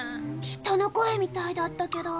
人の声みたいだったけど。